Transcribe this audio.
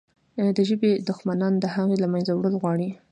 د ژبې دښمنان د هغې له منځه وړل غواړي.